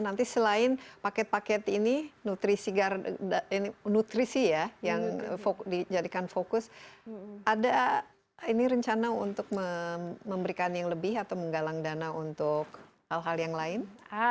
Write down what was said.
nanti selain paket paket ini nutrisi ya yang dijadikan fokus ada ini rencana untuk memberikan yang lebih atau menggalang dana untuk hal hal yang lain